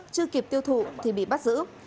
chưa kịp tiêu thụ thì bị bắt giữ